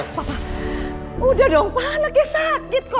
papa udah dong panik ya sakit kok